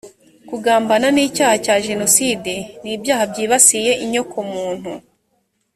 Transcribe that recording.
kugambana n’icyaha cya jenoside ni ibyaha byibasiye inyoko muntu